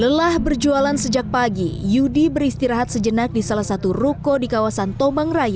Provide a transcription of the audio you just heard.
lelah berjualan sejak pagi yudi beristirahat sejenak di salah satu ruko di kawasan tomang raya